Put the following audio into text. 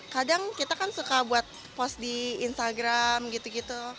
kadang kita kan suka buat post di instagram gitu gitu